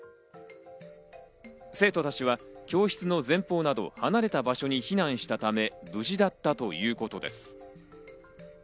生徒たちは教室の前方など、離れた場所に避難したため無事だったということです。